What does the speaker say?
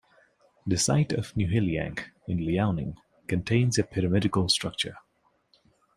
The site of Niuheliang in Liaoning contains a pyramidal structure.